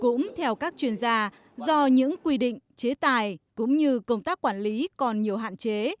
cũng theo các chuyên gia do những quy định chế tài cũng như công tác quản lý còn nhiều hạn chế